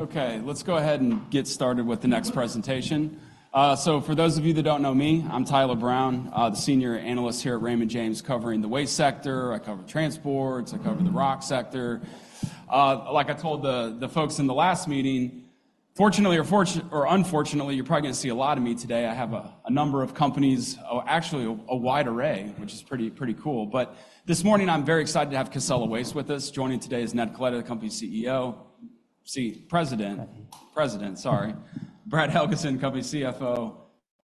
Okay, let's go ahead and get started with the next presentation. So for those of you that don't know me, I'm Tyler Brown, the Senior Analyst here at Raymond James, covering the waste sector. I cover transports, I cover the rock sector. Like I told the folks in the last meeting, fortunately or unfortunately, you're probably gonna see a lot of me today. I have a number of companies, or actually a wide array, which is pretty cool. But this morning, I'm very excited to have Casella Waste with us. Joining today is Ned Coletta, the company's President. President. President, sorry. Brad Helgeson, company CFO.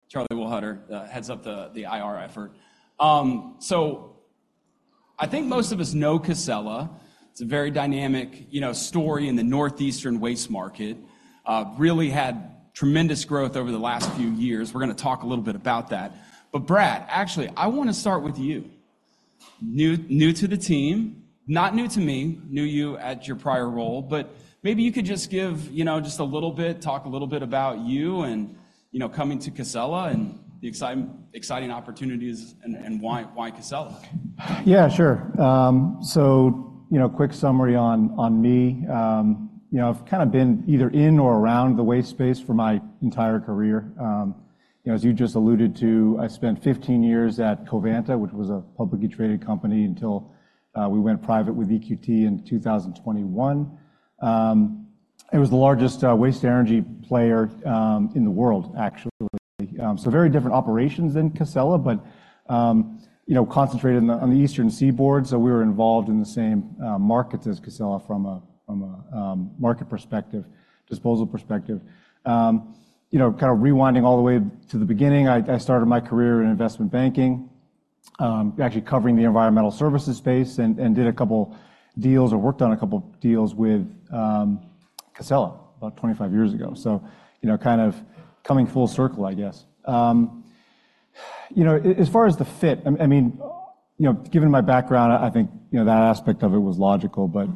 Charlie Wohlhuter heads up the IR effort. So I think most of us know Casella. It's a very dynamic, you know, story in the northeastern waste market. Really had tremendous growth over the last few years. We're gonna talk a little bit about that. But Brad, actually, I wanna start with you. New to the team, not new to me. Knew you at your prior role, but maybe you could just give, you know, just a little bit, talk a little bit about you and, you know, coming to Casella, and the exciting opportunities, and why Casella? Yeah, sure. So, you know, quick summary on me. You know, I've kinda been either in or around the waste space for my entire career. You know, as you just alluded to, I spent 15 years at Covanta, which was a publicly traded company until we went private with EQT in 2021. It was the largest waste-to-energy player in the world, actually. So very different operations than Casella, but you know, concentrated on the Eastern Seaboard, so we were involved in the same markets as Casella from a market perspective, disposal perspective. You know, kind of rewinding all the way to the beginning, I started my career in investment banking, actually covering the environmental services space, and did a couple deals or worked on a couple deals with Casella about 25 years ago. So, you know, kind of coming full circle, I guess. You know, as far as the fit, I mean, you know, given my background, I think, you know, that aspect of it was logical. But,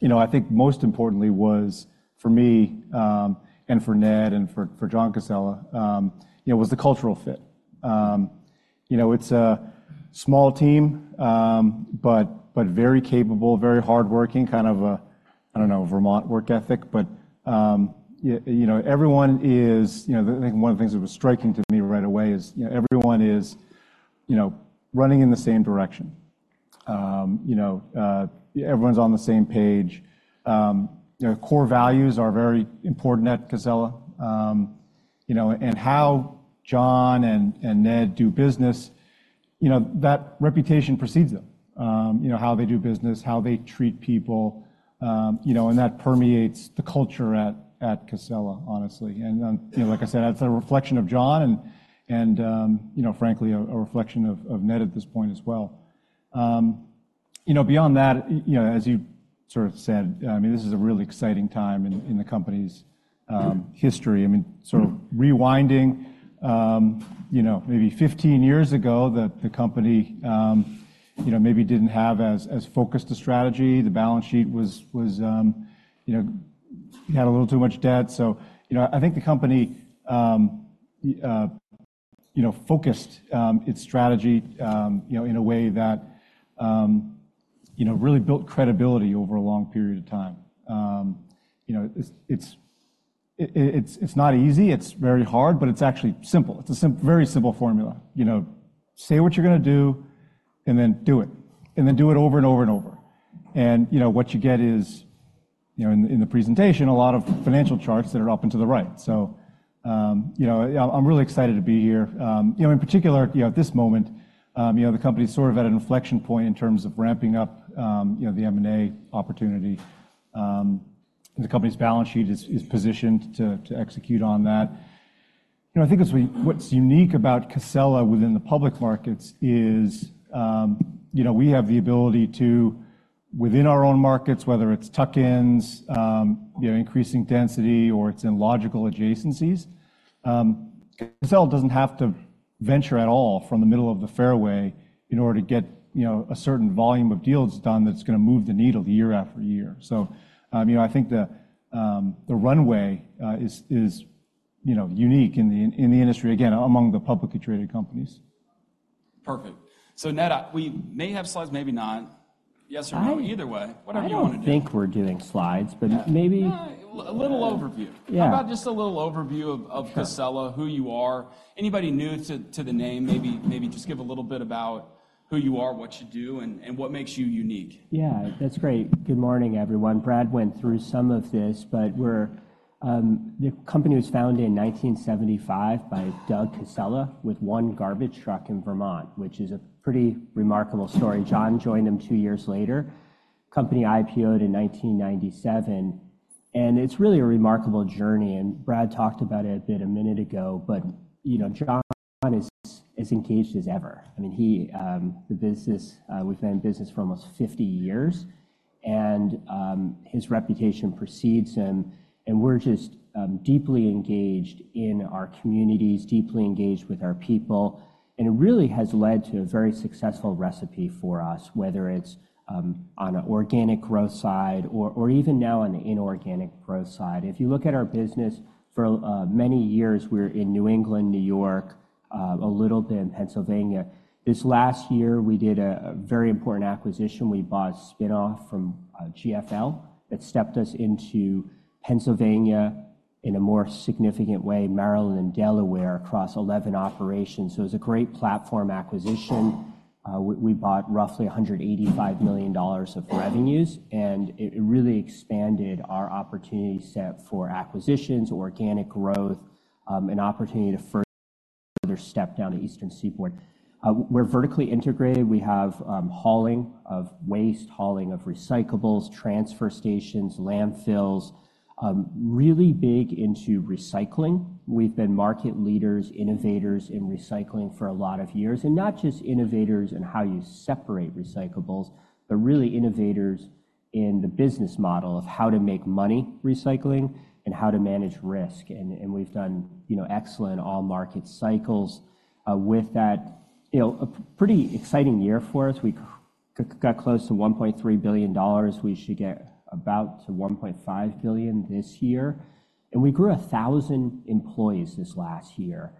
you know, I think most importantly was, for me, and for Ned, and for John Casella, you know, was the cultural fit. You know, it's a small team, but very capable, very hardworking, kind of a, I don't know, Vermont work ethic. But you know, everyone is... You know, I think one of the things that was striking to me right away is, you know, everyone is, you know, running in the same direction. You know, everyone's on the same page. Core values are very important at Casella. You know, and how John and Ned do business, you know, that reputation precedes them. You know, how they do business, how they treat people, you know, and that permeates the culture at Casella, honestly. And, you know, like I said, that's a reflection of John and, you know, frankly, a reflection of Ned at this point as well. You know, beyond that, you know, as you sort of said, I mean, this is a really exciting time in the company's history. I mean, sort of rewinding, you know, maybe 15 years ago, the company, you know, maybe didn't have as focused a strategy. The balance sheet was, you know, had a little too much debt. So, you know, I think the company, you know, focused its strategy, you know, in a way that, you know, really built credibility over a long period of time. You know, it's not easy. It's very hard, but it's actually simple. It's a very simple formula. You know, say what you're gonna do, and then do it, and then do it over and over and over. And, you know, what you get is, you know, in the presentation, a lot of financial charts that are up and to the right. So, you know, I'm really excited to be here. You know, in particular, you know, at this moment, you know, the company's sort of at an inflection point in terms of ramping up, you know, the M&A opportunity. The company's balance sheet is positioned to execute on that. You know, I think what's unique about Casella within the public markets is, you know, we have the ability to, within our own markets, whether it's tuck-ins, you know, increasing density, or it's in logical adjacencies, Casella doesn't have to venture at all from the middle of the fairway in order to get, you know, a certain volume of deals done that's gonna move the needle year-after-year. You know, I think the runway is unique in the industry, again, among the publicly traded companies. Perfect. So, Ned, we may have slides, maybe not. Yes or no? Either way. Whatever you wanna do. I don't think we're doing slides, but maybe. A little overview. Yeah. How about just a little overview of Casella who you are? Anybody new to the name, maybe just give a little bit about who you are, what you do, and what makes you unique. Yeah, that's great. Good morning, everyone. Brad went through some of this, but we're. The company was founded in 1975 by Doug Casella with one garbage truck in Vermont, which is a pretty remarkable story. John joined him two years later. Company IPO'd in 1997, and it's really a remarkable journey, and Brad talked about it a bit a minute ago, but, you know, John is as engaged as ever. I mean, he, the business, we've been in business for almost 50 years, and, his reputation precedes him, and we're just, deeply engaged in our communities, deeply engaged with our people, and it really has led to a very successful recipe for us, whether it's, on the organic growth side or even now on the inorganic growth side. If you look at our business, for many years, we were in New England, New York, a little bit in Pennsylvania. This last year, we did a very important acquisition. We bought a spin-off from GFL that stepped us into Pennsylvania in a more significant way, Maryland and Delaware, across 11 operations. So it was a great platform acquisition. We bought roughly $185 million of revenues, and it really expanded our opportunity set for acquisitions, organic growth, an opportunity to further step down the Eastern Seaboard. We're vertically integrated. We have hauling of waste, hauling of recyclables, transfer stations, landfills, really big into recycling. We've been market leaders, innovators in recycling for a lot of years, and not just innovators in how you separate recyclables, but really innovators in the business model of how to make money recycling and how to manage risk. And we've done, you know, excellent all market cycles, with that. You know, a pretty exciting year for us. We got close to $1.3 billion. We should get about $1.5 billion this year, and we grew 1,000 employees this last year.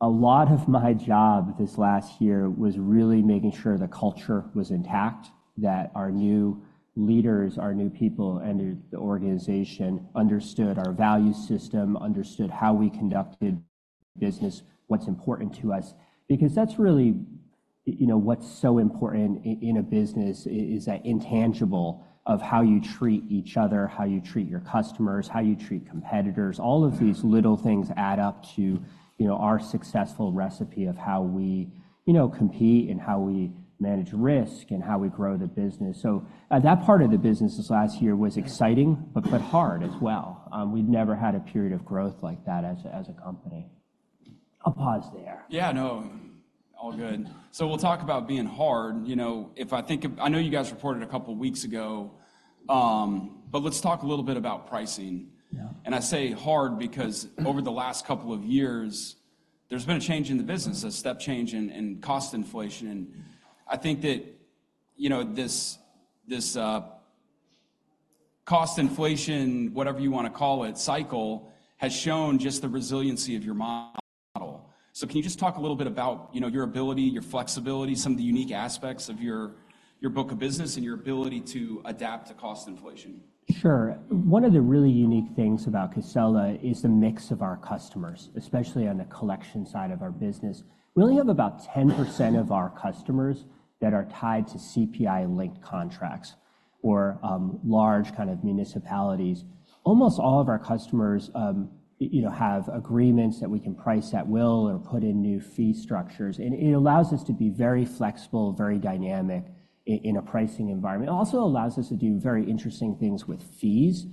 A lot of my job this last year was really making sure the culture was intact, that our new leaders, our new people, entered the organization, understood our value system, understood how we conducted business, what's important to us. Because that's really, you know, what's so important in a business is that intangible of how you treat each other, how you treat your customers, how you treat competitors. All of these little things add up to, you know, our successful recipe of how we, you know, compete and how we manage risk, and how we grow the business. That part of the business this last year was exciting but hard as well. We've never had a period of growth like that as a company. I'll pause there. Yeah, no. All good. So we'll talk about being hard, you know, if I think, I know you guys reported a couple of weeks ago, but let's talk a little bit about pricing. Yeah. I say hard because over the last couple of years, there's been a change in the business, a step change in, in cost inflation, and I think that, you know, this, this, cost inflation, whatever you wanna call it, cycle, has shown just the resiliency of your model. So can you just talk a little bit about, you know, your ability, your flexibility, some of the unique aspects of your, your book of business, and your ability to adapt to cost inflation? Sure. One of the really unique things about Casella is the mix of our customers, especially on the collection side of our business. We only have about 10% of our customers that are tied to CPI-linked contracts or large kind of municipalities. Almost all of our customers, you know, have agreements that we can price at will or put in new fee structures, and it allows us to be very flexible, very dynamic in a pricing environment. It also allows us to do very interesting things with fees.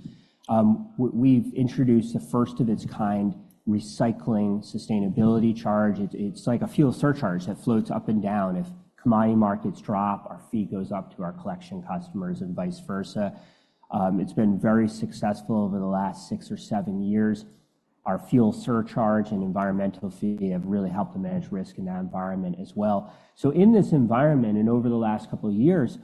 We've introduced the first of its kind Recycling Sustainability Charge. It's like a fuel surcharge that floats up and down. If commodity markets drop, our fee goes up to our collection customers and vice versa. It's been very successful over the last six or seven years. Our fuel surcharge and environmental fee have really helped to manage risk in that environment as well. So in this environment and over the last couple of years,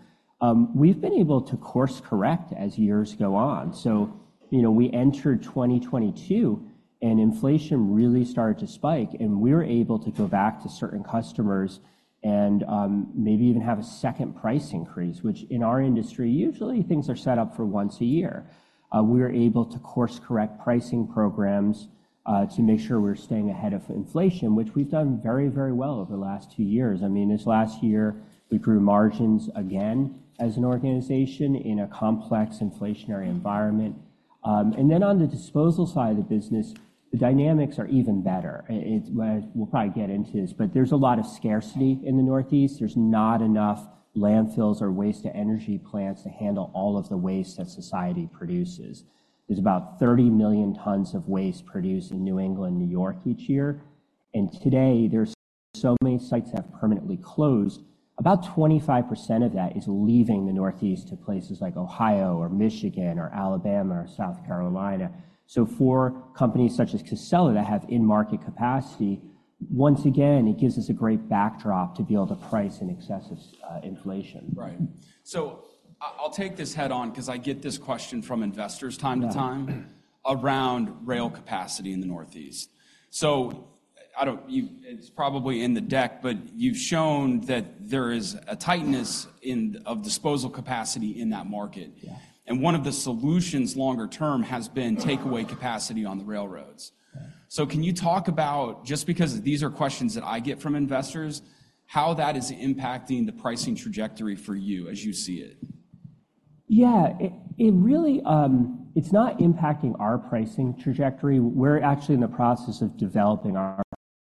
we've been able to course-correct as years go on. So, you know, we entered 2022, and inflation really started to spike, and we were able to go back to certain customers and, maybe even have a second price increase, which in our industry, usually things are set up for once a year. We were able to course-correct pricing programs, to make sure we're staying ahead of inflation, which we've done very, very well over the last two years. I mean, this last year, we grew margins again as an organization in a complex inflationary environment. And then on the disposal side of the business, the dynamics are even better. We'll probably get into this, but there's a lot of scarcity in the Northeast. There's not enough landfills or waste-to-energy plants to handle all of the waste that society produces. There's about 30 million tons of waste produced in New England and New York each year, and today, there's so many sites that have permanently closed. About 25% of that is leaving the Northeast to places like Ohio or Michigan or Alabama or South Carolina. So for companies such as Casella that have in-market capacity, once again, it gives us a great backdrop to be able to price in excessive inflation. Right. So I, I'll take this head-on 'cause I get this question from investors time to time around rail capacity in the Northeast. So it's probably in the deck, but you've shown that there is a tightness in of disposal capacity in that market. Yeah. One of the solutions, longer term, has been takeaway capacity on the railroads. Yeah. Can you talk about, just because these are questions that I get from investors, how that is impacting the pricing trajectory for you as you see it? Yeah. It really, it's not impacting our pricing trajectory. We're actually in the process of developing our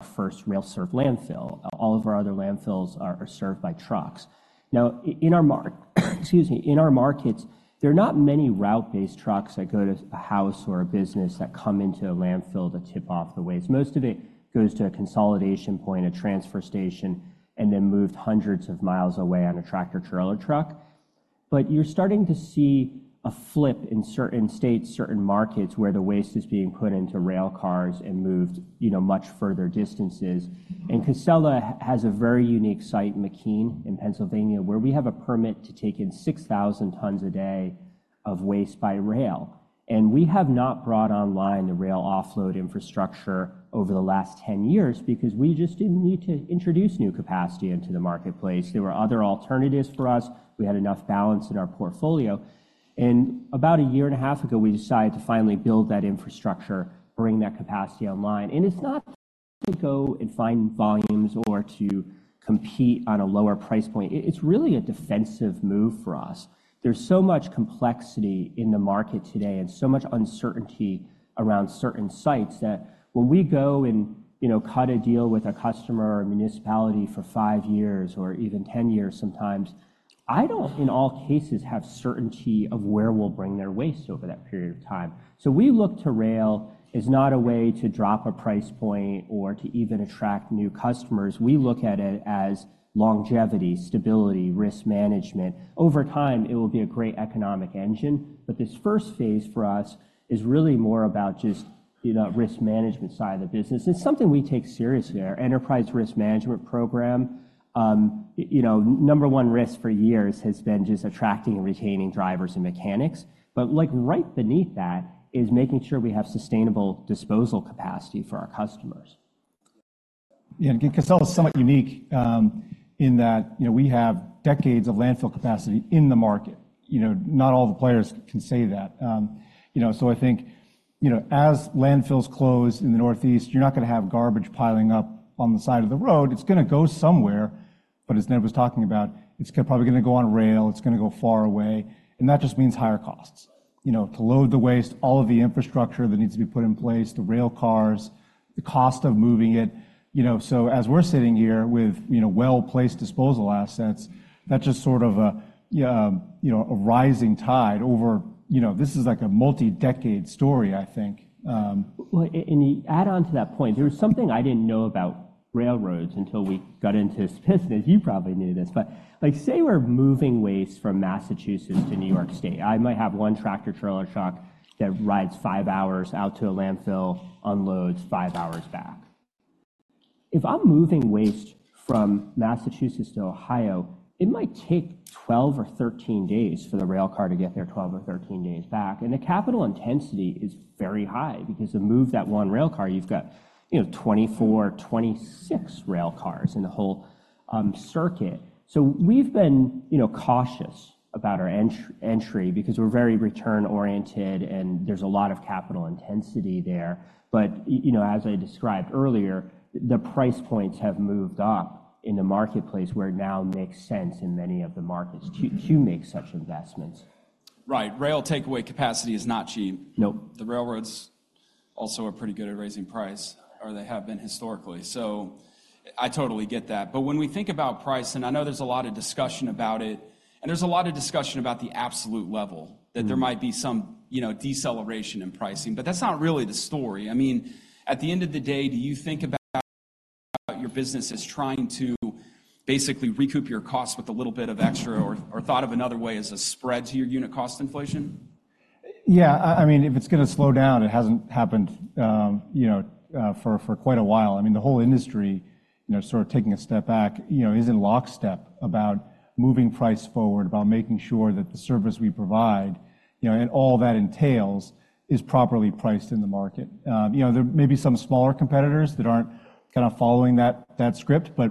first rail served landfill. All of our other landfills are served by trucks. Now, in our markets, excuse me. In our markets, there are not many route-based trucks that go to a house or a business that come into a landfill to tip off the waste. Most of it goes to a consolidation point, a transfer station, and then moved hundreds of miles away on a tractor-trailer truck. But you're starting to see a flip in certain states, certain markets, where the waste is being put into rail cars and moved, you know, much further distances. And Casella has a very unique site in McKean, in Pennsylvania, where we have a permit to take in 6,000 tons a day of waste by rail. We have not brought online the rail offload infrastructure over the last 10 years because we just didn't need to introduce new capacity into the marketplace. There were other alternatives for us. We had enough balance in our portfolio, and about a year and a half ago, we decided to finally build that infrastructure, bring that capacity online. It's not to go and find volumes or to compete on a lower price point. It's really a defensive move for us. There's so much complexity in the market today and so much uncertainty around certain sites, that when we go and, you know, cut a deal with a customer or a municipality for five years or even 10 years sometimes, I don't, in all cases, have certainty of where we'll bring their waste over that period of time. So we look to rail as not a way to drop a price point or to even attract new customers. We look at it as longevity, stability, risk management. Over time, it will be a great economic engine, but this first phase for us is really more about just, you know, risk management side of the business. It's something we take seriously. Our enterprise risk management program, you know, number one risk for years has been just attracting and retaining drivers and mechanics, but, like, right beneath that is making sure we have sustainable disposal capacity for our customers. Yeah, and Casella is somewhat unique, in that, you know, we have decades of landfill capacity in the market. You know, not all the players can say that. You know, so I think, you know, as landfills close in the Northeast, you're not gonna have garbage piling up on the side of the road. It's gonna go somewhere, but as Ned was talking about, it's probably gonna go on rail, it's gonna go far away, and that just means higher costs. You know, to load the waste, all of the infrastructure that needs to be put in place, the rail cars, the cost of moving it. You know, so as we're sitting here with, you know, well-placed disposal assets, that's just sort of a, you know, a rising tide over. You know, this is like a multi-decade story, I think. Well, and to add on to that point, there was something I didn't know about railroads until we got into this business. You probably knew this, but, like, say we're moving waste from Massachusetts to New York State. I might have one tractor-trailer truck that rides five hours out to a landfill, unloads, five hours back. If I'm moving waste from Massachusetts to Ohio, it might take 12 or 13 days for the rail car to get there, 12 or 13 days back, and the capital intensity is very high because to move that one rail car, you've got, you know, 24, 26 rail cars in the whole circuit. So we've been, you know, cautious about our entry because we're very return-oriented, and there's a lot of capital intensity there. But you know, as I described earlier, the price points have moved up in the marketplace, where it now makes sense in many of the markets to make such investments. Right. Rail takeaway capacity is not cheap. Nope. The railroads also are pretty good at raising price, or they have been historically, so I totally get that. But when we think about price, and I know there's a lot of discussion about it, and there's a lot of discussion about the absolute level that there might be some, you know, deceleration in pricing, but that's not really the story. I mean, at the end of the day, do you think about your business as trying to basically recoup your costs with a little bit of extra or thought of another way as a spread to your unit cost inflation? Yeah. I mean, if it's gonna slow down, it hasn't happened, you know, for quite a while. I mean, the whole industry, you know, sort of taking a step back, you know, is in lockstep about moving price forward, about making sure that the service we provide, you know, and all that entails, is properly priced in the market. You know, there may be some smaller competitors that aren't kind of following that script, but,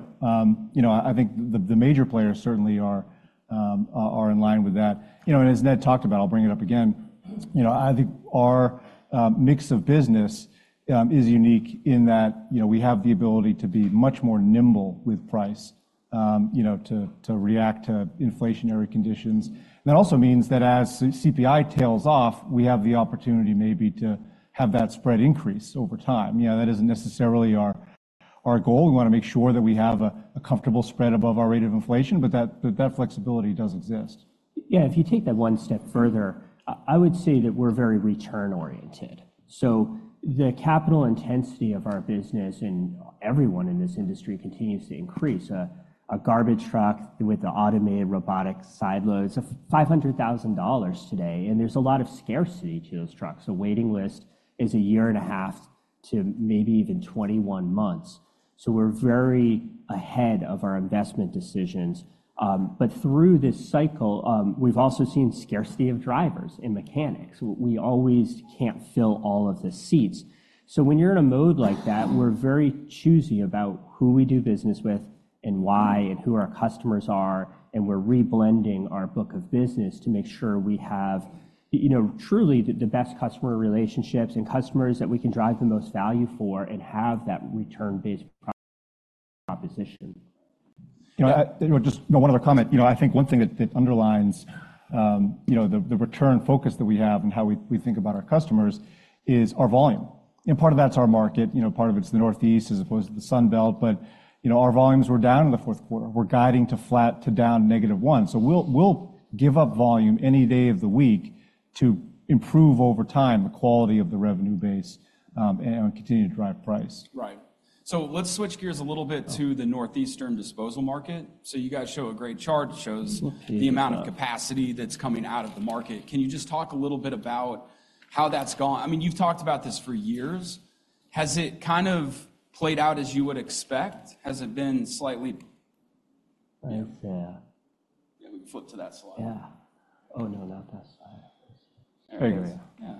you know, I think the major players certainly are in line with that. You know, and as Ned talked about, I'll bring it up again, you know, I think our mix of business is unique in that, you know, we have the ability to be much more nimble with price, you know, to react to inflationary conditions. That also means that as CPI tails off, we have the opportunity maybe to have that spread increase over time. You know, that isn't necessarily our goal. We want to make sure that we have a comfortable spread above our rate of inflation, but that flexibility does exist. Yeah, if you take that one step further, I would say that we're very return-oriented. So the capital intensity of our business and everyone in this industry continues to increase. A garbage truck with the automated robotic side loader, it's $500,000 today, and there's a lot of scarcity to those trucks. The waiting list is a year and a half to maybe even 21 months, so we're very ahead of our investment decisions. But through this cycle, we've also seen scarcity of drivers and mechanics. We always can't fill all of the seats. When you're in a mode like that, we're very choosy about who we do business with and why, and who our customers are, and we're reblending our book of business to make sure we have, you know, truly the best customer relationships and customers that we can drive the most value for and have that return-based proposition. You know, just one other comment. You know, I think one thing that underlines the return focus that we have and how we think about our customers is our volume. And part of that's our market, you know, part of it's the Northeast, as opposed to the Sun Belt, but, you know, our volumes were down in the fourth quarter. We're guiding to flat to down negative one. So we'll give up volume any day of the week to improve over time the quality of the revenue base, and continue to drive price. Right. So let's switch gears a little bit- to the Northeastern disposal market. So you guys show a great chart that shows- the amount of capacity that's coming out of the market. Can you just talk a little bit about how that's gone? I mean, you've talked about this for years. Has it kind of played out as you would expect? Has it been slightly- Yeah. Yeah. Let me flip to that slide. Yeah. Oh, no, not that slide. There you go. Yeah.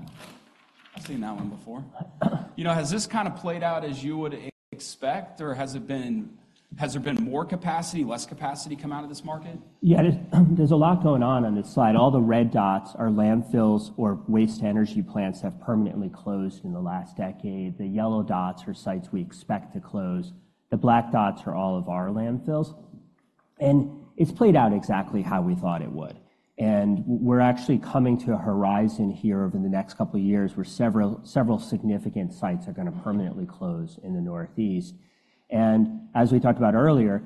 I've seen that one before. You know, has this kind of played out as you would expect, or has it been? Has there been more capacity, less capacity come out of this market? Yeah, there's a lot going on on this slide. All the red dots are landfills or waste-to-energy plants that have permanently closed in the last decade. The yellow dots are sites we expect to close. The black dots are all of our landfills, and it's played out exactly how we thought it would. And we're actually coming to a horizon here over the next couple of years, where several significant sites are gonna permanently close in the Northeast. And as we talked about earlier,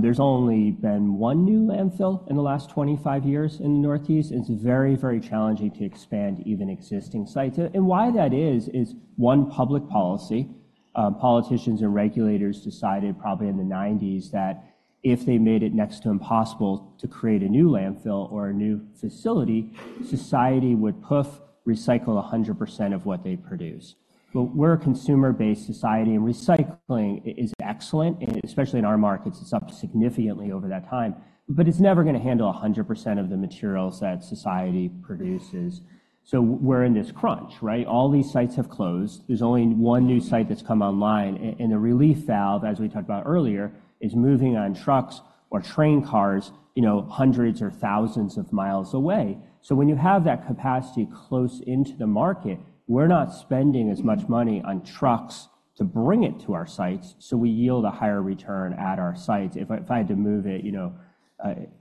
there's only been one new landfill in the last 25 years in the Northeast, and it's very, very challenging to expand even existing sites. And why that is one, public policy. Politicians and regulators decided, probably in the '90s, that if they made it next to impossible to create a new landfill or a new facility, society would, poof, recycle 100% of what they produce. But we're a consumer-based society, and recycling is excellent, and especially in our markets, it's up significantly over that time, but it's never gonna handle 100% of the materials that society produces. So we're in this crunch, right? All these sites have closed. There's only one new site that's come online, and the relief valve, as we talked about earlier, is moving on trucks or train cars, you know, hundreds or thousands of miles away. So when you have that capacity close into the market, we're not spending as much money on trucks to bring it to our sites, so we yield a higher return at our sites. If I had to move it, you know,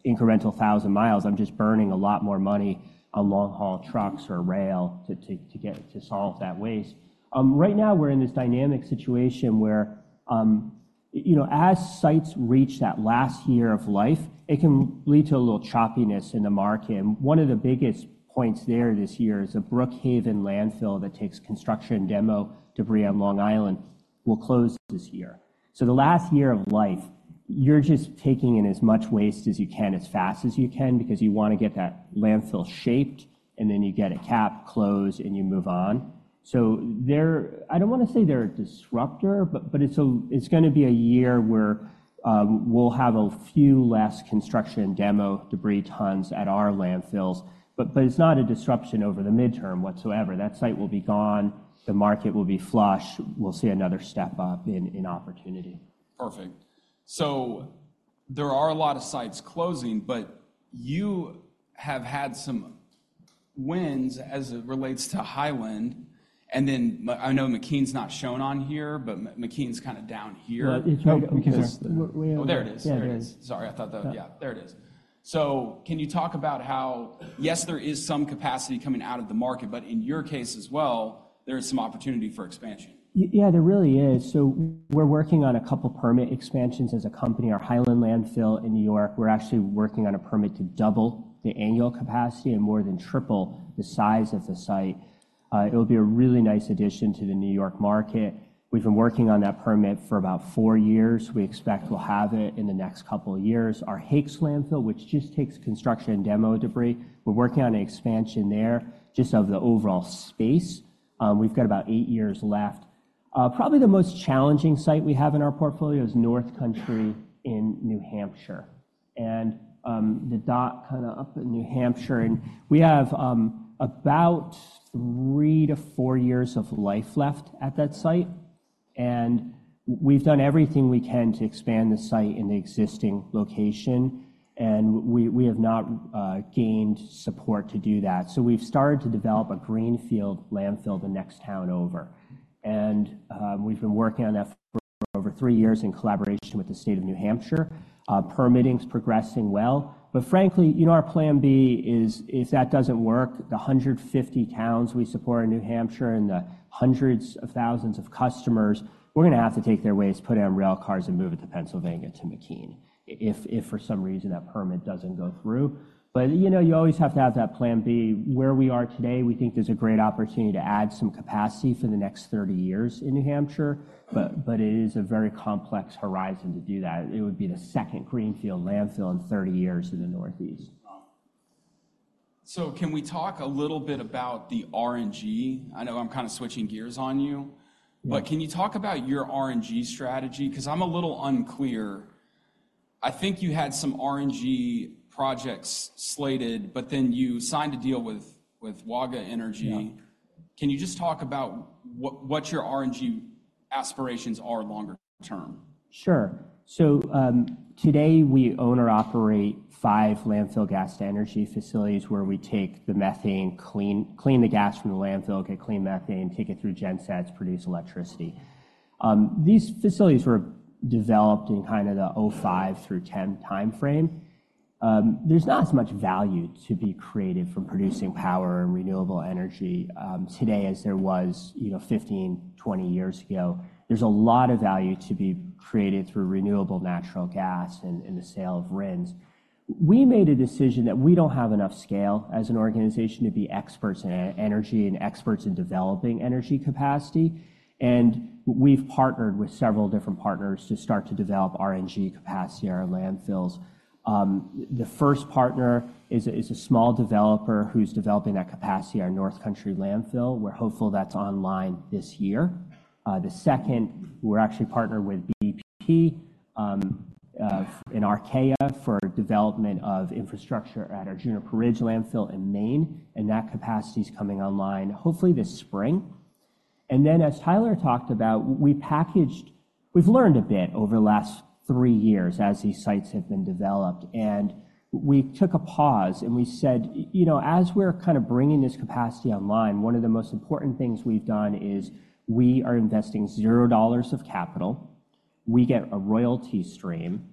incremental thousand miles, I'm just burning a lot more money on long-haul trucks or rail to get it to solve that waste. Right now, we're in this dynamic situation where you know, as sites reach that last year of life, it can lead to a little choppiness in the market, and one of the biggest points there this year is the Brookhaven Landfill that takes construction demo debris on Long Island will close this year. So the last year of life, you're just taking in as much waste as you can, as fast as you can because you wanna get that landfill shaped, and then you get it capped, closed, and you move on. So they're. I don't wanna say they're a disruptor, but it's gonna be a year where we'll have a few less construction demo debris tons at our landfills, but it's not a disruption over the midterm whatsoever. That site will be gone. The market will be flush. We'll see another step up in opportunity. Perfect. So there are a lot of sites closing, but you have had some wins as it relates to Hyhland, and then I know McKean's not shown on here, but McKean's kinda down here. Yeah, it's right. Oh, there it is. Yeah, it is. Sorry, I thought that. Yeah, there it is. So can you talk about how, yes, there is some capacity coming out of the market, but in your case as well, there is some opportunity for expansion? Yeah, there really is. So we're working on a couple permit expansions as a company. Our Hyland Landfill in New York, we're actually working on a permit to double the annual capacity and more than triple the size of the site. It'll be a really nice addition to the New York market. We've been working on that permit for about four years. We expect we'll have it in the next couple of years. Our Hakes Landfill, which just takes construction and demo debris, we're working on an expansion there, just of the overall space. We've got about eight years left. Probably the most challenging site we have in our portfolio is North Country in New Hampshire, and the dot kinda up in New Hampshire, and we have about three to four years of life left at that site, and we've done everything we can to expand the site in the existing location, and we have not gained support to do that. So we've started to develop a greenfield landfill the next town over, and we've been working on that for over three years in collaboration with the state of New Hampshire. Permitting's progressing well, but frankly, you know, our plan B is, if that doesn't work, the 150 towns we support in New Hampshire and the hundreds of thousands of customers, we're gonna have to take their waste, put it on rail cars, and move it to Pennsylvania, to McKean, if for some reason that permit doesn't go through. But, you know, you always have to have that plan B. Where we are today, we think there's a great opportunity to add some capacity for the next 30 years in New Hampshire, but it is a very complex horizon to do that. It would be the second greenfield landfill in 30 years in the Northeast. So, can we talk a little bit about the RNG? I know I'm kinda switching gears on you. Yeah. But can you talk about your RNG strategy? 'Cause I'm a little unclear. I think you had some RNG projects slated, but then you signed a deal with Waga Energy. Yeah. Can you just talk about what, what your RNG aspirations are longer term? Sure. So, today we own or operate five landfill gas-to-energy facilities, where we take the methane, clean the gas from the landfill, get clean methane, take it through gensets, produce electricity. These facilities were developed in kind of the 2005 through 2010 timeframe. There's not as much value to be created from producing power and renewable energy, today as there was, you know, 15, 20 years ago. There's a lot of value to be created through renewable natural gas and the sale of RINs. We made a decision that we don't have enough scale as an organization to be experts in energy and experts in developing energy capacity, and we've partnered with several different partners to start to develop RNG capacity at our landfills. The first partner is a small developer who's developing that capacity, our North Country Landfill. We're hopeful that's online this year. The second, we're actually partnered with BP and Archaea for development of infrastructure at our Juniper Ridge Landfill in Maine, and that capacity's coming online hopefully this spring. And then as Tyler talked about, we've learned a bit over the last three years as these sites have been developed, and we took a pause, and we said, "You know, as we're kind of bringing this capacity online, one of the most important things we've done is we are investing $0 of capital. We get a royalty stream,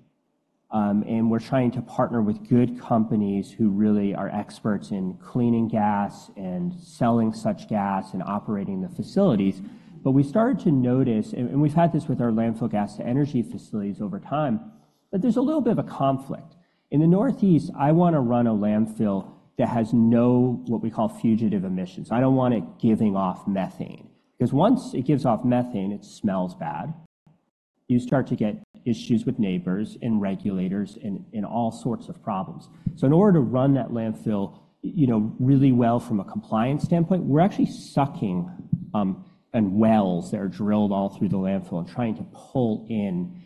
and we're trying to partner with good companies who really are experts in cleaning gas and selling such gas and operating the facilities." But we started to notice, and we've had this with our landfill gas to energy facilities over time, that there's a little bit of a conflict. In the Northeast, I want to run a landfill that has no, what we call, fugitive emissions. I don't want it giving off methane, 'cause once it gives off methane, it smells bad. You start to get issues with neighbors and regulators and all sorts of problems. So in order to run that landfill, you know, really well from a compliance standpoint, we're actually sucking and wells that are drilled all through the landfill and trying to pull in,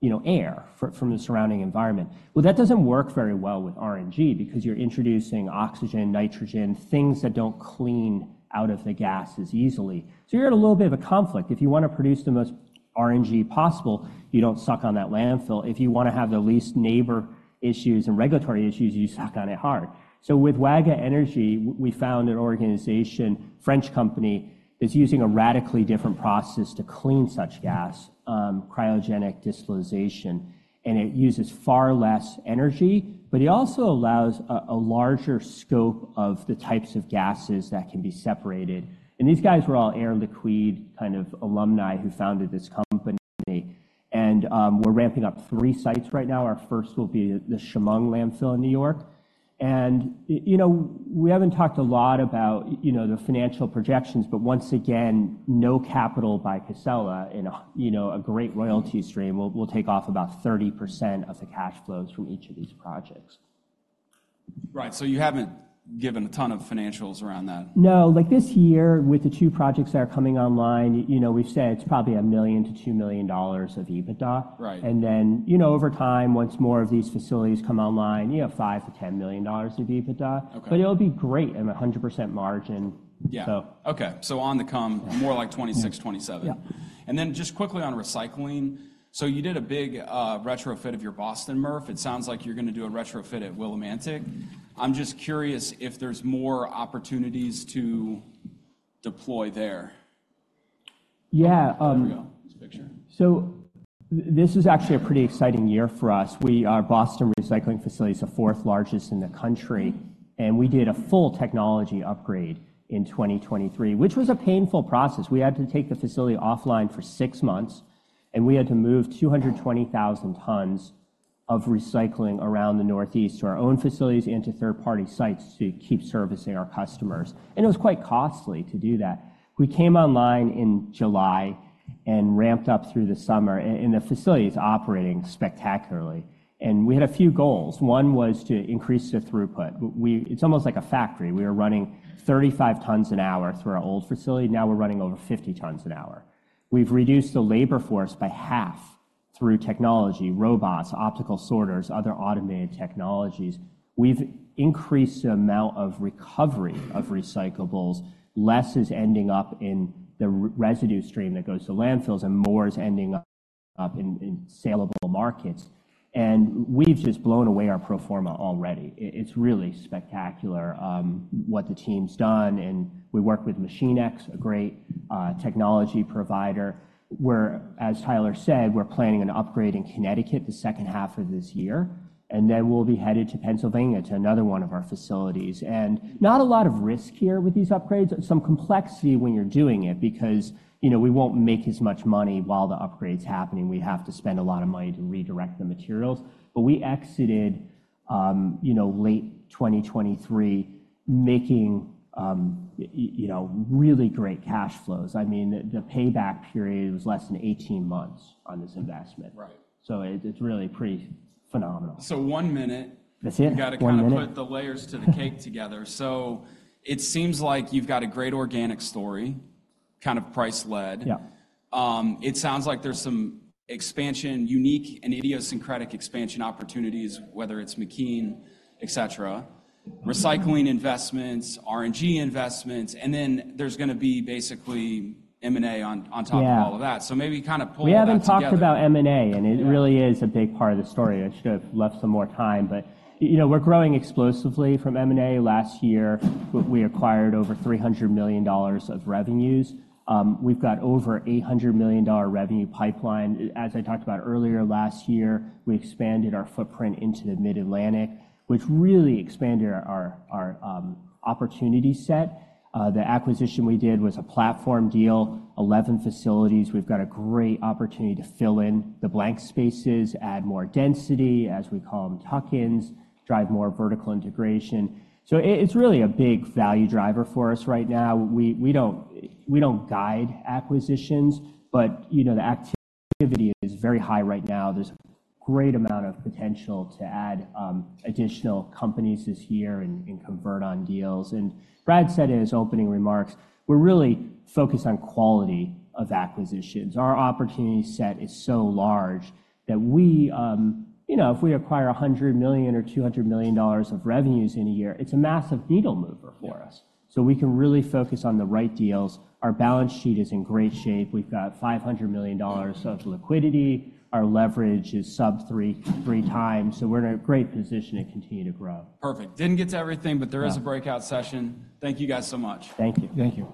you know, air from the surrounding environment. Well, that doesn't work very well with RNG because you're introducing oxygen, nitrogen, things that don't clean out of the gases easily. So you're at a little bit of a conflict. If you want to produce the most RNG possible, you don't suck on that landfill. If you want to have the least neighbor issues and regulatory issues, you suck on it hard. So with Waga Energy, we found an organization, French company, that's using a radically different process to clean such gas, cryogenic distillation, and it uses far less energy, but it also allows a larger scope of the types of gases that can be separated. And these guys were all Air Liquide kind of alumni who founded this company, and we're ramping up three sites right now. Our first will be the Chemung Landfill in New York. And you know, we haven't talked a lot about, you know, the financial projections, but once again, no capital by Casella in a, you know, a great royalty stream. We'll take off about 30% of the cash flows from each of these projects. Right. So you haven't given a ton of financials around that? No. Like this year, with the two projects that are coming online, you know, we've said it's probably $1 million-$2 million of EBITDA. Right. And then, you know, over time, once more of these facilities come online, you know, $5 million-$10 million of EBITDA. Okay. It'll be great and 100% margin. Yeah. So. Okay, so onto 2026, more like 2027. Yeah. Then just quickly on recycling, so you did a big retrofit of your Boston MRF. It sounds like you're gonna do a retrofit at Willimantic. I'm just curious if there's more opportunities to deploy there. Yeah, um- There we go. This picture. So this is actually a pretty exciting year for us. We, our Boston Recycling Facility is the fourth largest in the country, and we did a full technology upgrade in 2023, which was a painful process. We had to take the facility offline for six months, and we had to move 220,000 tons of recycling around the Northeast to our own facilities and to third-party sites to keep servicing our customers, and it was quite costly to do that. We came online in July and ramped up through the summer, and the facility is operating spectacularly, and we had a few goals. One was to increase the throughput. It's almost like a factory. We were running 35 tons an hour through our old facility. Now we're running over 50 tons an hour. We've reduced the labor force by half through technology, robots, optical sorters, other automated technologies. We've increased the amount of recovery of recyclables. Less is ending up in the residue stream that goes to landfills, and more is ending up in saleable markets, and we've just blown away our pro forma already. It's really spectacular what the team's done, and we work with Machinex, a great technology provider, where, as Tyler said, we're planning an upgrade in Connecticut the second half of this year, and then we'll be headed to Pennsylvania to another one of our facilities. And not a lot of risk here with these upgrades, some complexity when you're doing it because, you know, we won't make as much money while the upgrade's happening. We have to spend a lot of money to redirect the materials. But we exited, you know, late 2023, making, you know, really great cash flows. I mean, the, the payback period was less than 18 months on this investment. Right. It's really pretty phenomenal. So one minute. That's it? One minute. You've got to kind of put the layers to the cake together. So it seems like you've got a great organic story, kind of price-led. Yeah. It sounds like there's some expansion, unique and idiosyncratic expansion opportunities, whether it's McKean, et cetera. Mm-hmm. recycling investments, RNG investments, and then there's gonna be basically M&A on top- Yeah... of all of that. So maybe kind of pull all that together. We haven't talked about M&A, and it really is a big part of the story. I should have left some more time, but, you know, we're growing explosively from M&A. Last year, we, we acquired over $300 million of revenues. We've got over $800 million revenue pipeline. As I talked about earlier last year, we expanded our footprint into the Mid-Atlantic, which really expanded our, our, opportunity set. The acquisition we did was a platform deal, 11 facilities. We've got a great opportunity to fill in the blank spaces, add more density, as we call them, tuck-ins, drive more vertical integration. So it, it's really a big value driver for us right now. We, we don't, we don't guide acquisitions, but, you know, the activity is very high right now. There's a great amount of potential to add additional companies this year and, and convert on deals. Brad said in his opening remarks, we're really focused on quality of acquisitions. Our opportunity set is so large that we, you know, if we acquire $100 million or $200 million of revenues in a year, it's a massive needle mover for us. Yeah. So we can really focus on the right deals. Our balance sheet is in great shape. We've got $500 million of liquidity. Our leverage is sub three times, so we're in a great position to continue to grow. Perfect. Didn't get to everything, but there is- Yeah... a breakout session. Thank you guys so much. Thank you. Thank you.